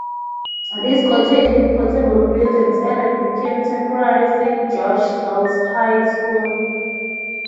This cottage with portable buildings added became the temporary Saint George Girls High School.